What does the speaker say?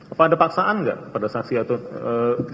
apa ada paksaan gak pada saksi atur